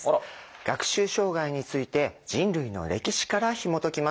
学習障害について人類の歴史からひもときます。